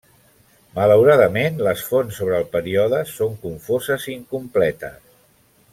Malauradament les fonts sobre el període són confoses i incompletes.